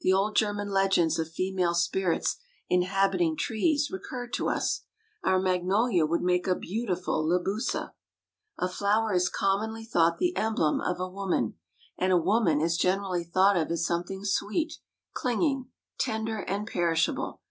The old German legends of female spirits inhabiting trees recurred to us. Our magnolia would make a beautiful Libussa. A flower is commonly thought the emblem of a woman; and a woman is generally thought of as something sweet, clinging, tender, and perishable.